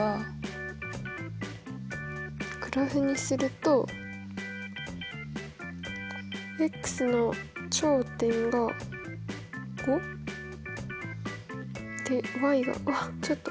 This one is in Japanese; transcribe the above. グラフにするとの頂点が５？でがわっちょっと。